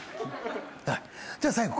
じゃあ最後